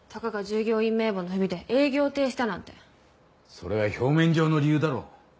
それは表面上の理由だろ。